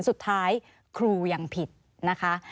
สุดท้ายครูยังผิดนะคะ